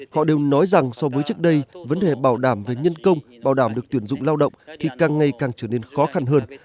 họ đều nói rằng so với trước đây vấn đề bảo đảm về nhân công bảo đảm được tuyển dụng lao động thì càng ngày càng trở nên khó khăn hơn